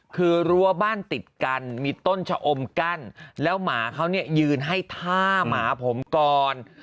คือรั้วบ้านติดกันมีต้นชะอมกั้นแล้วหมาเขาเนี่ยยืนให้ท่าหมาผมก่อน